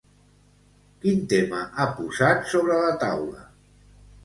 Quin tema ha posat sobre la taula?